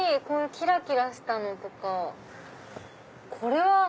こういうキラキラしたのとか。これは。